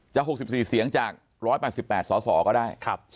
๖๔เสียงจาก๑๘๘สสก็ได้